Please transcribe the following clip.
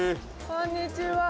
こんにちは。